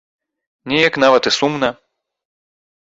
Неяк нават і сумна.